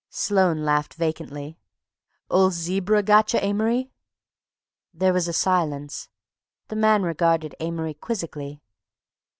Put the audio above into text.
Sloane laughed vacantly. "Ole zebra gotcha, Amory?" There was a silence.... The man regarded Amory quizzically....